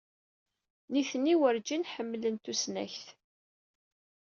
Nitni werǧin ḥemmlent tusnakt.